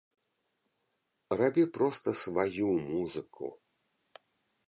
Рабі проста сваю музыку!